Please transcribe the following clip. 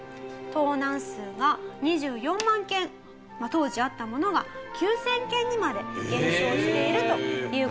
当時あったものが９０００件にまで減少しているという。